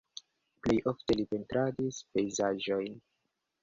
Plej ofte li pentradis pejzaĝojn.